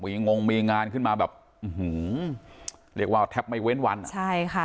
มีงงมีงานขึ้นมาแบบอื้อหือเรียกว่าแทบไม่เว้นวันอ่ะใช่ค่ะ